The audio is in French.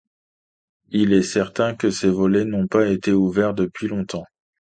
Il est certain que ces volets n'ont pas été ouverts depuis longtemps.